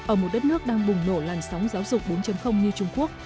ở một đất nước đang bùng nổ làn sóng giáo dục bốn như trung quốc